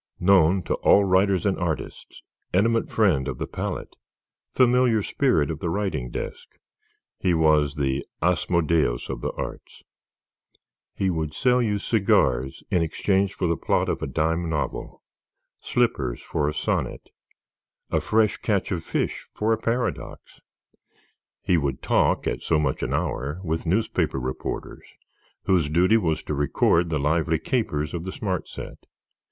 Known to all writers and artists, intimate friend of the palette, familiar spirit of the writing desk, he was the Asmodeus of the arts. He would sell you cigars in exchange for the plot of a dime novel, slippers for a sonnet, a fresh catch of fish for a paradox; he would talk at so much an hour with newspaper reporters whose duty was to record the lively capers of the smart set.